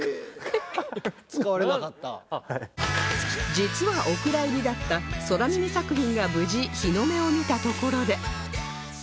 実はお蔵入りだった空耳作品が無事日の目を見たところで